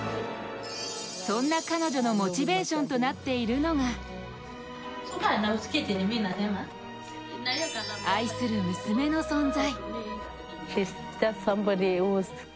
そんな彼女のモチベーションとなっているのが愛する娘の存在。